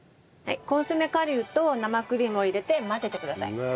コンソメ顆粒と生クリームを入れて混ぜてください。